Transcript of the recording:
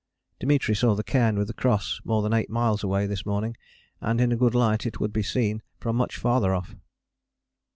Dimitri saw the Cairn with the Cross more than eight miles away this morning, and in a good light it would be seen from much farther off.